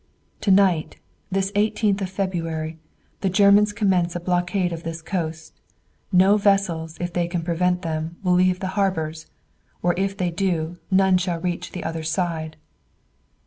"To night, this eighteenth of February, the Germans commence a blockade of this coast. No vessels, if they can prevent them, will leave the harbors; or if they do, none shall reach the other side!"